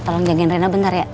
ya tolong jangkin rena bentar ya